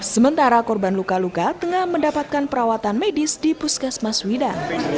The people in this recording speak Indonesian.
sementara korban luka luka tengah mendapatkan perawatan medis di puskesmas wida